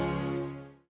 jangan kelayapan dulu